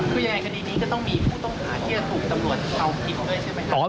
คือยังไงคดีนี้ก็ต้องมีผู้ต้องหาที่จะถูกตำรวจเอาผิดด้วยใช่ไหมครับ